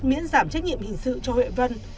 miễn giảm trách nhiệm hình sự cho huệ vân